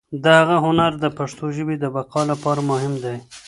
د هغه هنر د پښتو ژبې د بقا لپاره مهم دی.